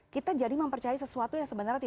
kita jadi mempercayai sesuatu yang sangat penting